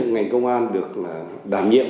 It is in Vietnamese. ngành công an được đảm nhiệm